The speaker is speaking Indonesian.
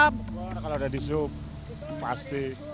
ditegur kalau sudah dishub pasti